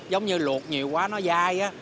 giống như luộc nhiều quá nó dai á